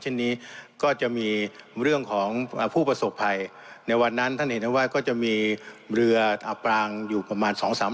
เช่นนี้ก็จะมีเรื่องของผู้ประสบภัยในวันนั้นท่านเห็นได้ว่าก็จะมีเรืออับปรางอยู่ประมาณ๒๓